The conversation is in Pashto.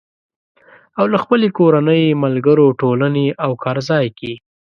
او له خپلې کورنۍ، ملګرو، ټولنې او کار ځای کې